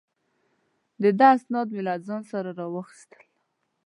د ده اسناد مې له ځان سره را واخیستل.